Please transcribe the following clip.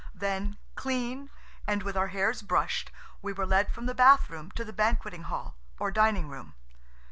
Then, clean and with our hairs brushed, we were led from the bath room to the banqueting hall or dining room.